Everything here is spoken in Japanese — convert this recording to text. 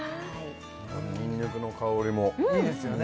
ニンニクの香りもいいですよね